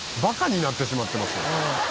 バカになってしまってますよ。